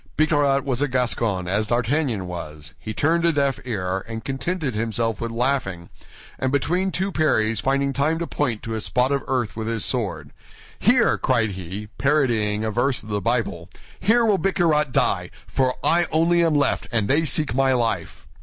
Bicarat was a Gascon, as D'Artagnan was; he turned a deaf ear, and contented himself with laughing, and between two parries finding time to point to a spot of earth with his sword, "Here," cried he, parodying a verse of the Bible, "here will Bicarat die; for I only am left, and they seek my life."